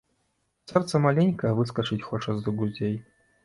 Сэрца маленькае выскачыць хоча з грудзей.